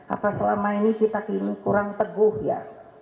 apa selama ini kita klinik kurang teguh ya